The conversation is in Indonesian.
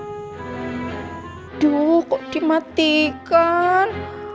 aduh kok dimatikan